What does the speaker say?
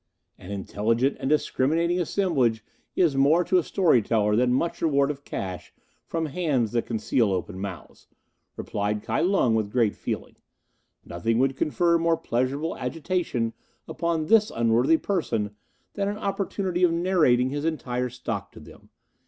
"An intelligent and discriminating assemblage is more to a story teller than much reward of cash from hands that conceal open mouths," replied Kai Lung with great feeling. "Nothing would confer more pleasurable agitation upon this unworthy person than an opportunity of narrating his entire stock to them.